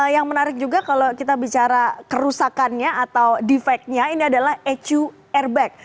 yang menarik juga kalau kita bicara kerusakannya atau defectnya ini adalah ecu airbag